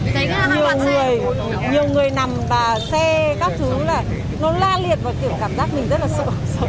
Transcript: nhiều người nằm và xe các thứ là nó la liệt và kiểu cảm giác mình rất là sợ